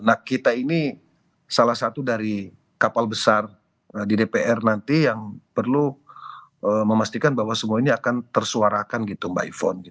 nah kita ini salah satu dari kapal besar di dpr nanti yang perlu memastikan bahwa semua ini akan tersuarakan gitu mbak ifon